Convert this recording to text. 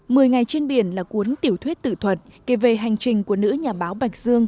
mười ngày trên biển là cuốn tiểu thuyết tự thuật kể về hành trình của nữ nhà báo bạch dương